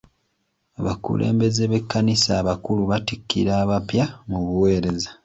Abakulembeze b'ekkanisa abakulu battikira abapya mu buwereza.